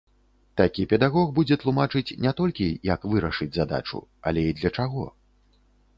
Такі педагог будзе тлумачыць не толькі, як вырашыць задачу, але і для чаго.